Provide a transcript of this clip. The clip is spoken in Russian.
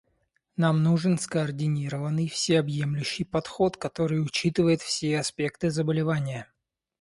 Нам нужен скоординированный, всеобъемлющий подход, который учитывает все аспекты заболевания.